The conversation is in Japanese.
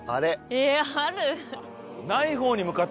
えっある？